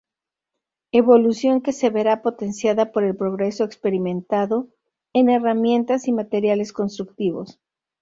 Evolución que se verá potenciada por el progreso experimentado en herramientas y materiales constructivos.